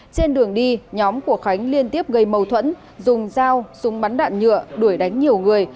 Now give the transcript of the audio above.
trên đường đi nhóm của khánh liên tiếp gây mâu thuẫn dùng dao súng bắn đạn nhựa đuổi đánh nhiều người